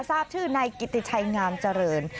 ทราบชื่อนายกิติชัยงามเจริญ